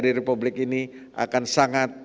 di republik ini akan sangat